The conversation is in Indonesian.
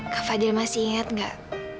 kak fadil masih ingat nggak